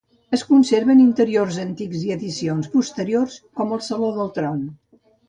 Es conserven interiors antics i addicions posteriors, com el saló del tron.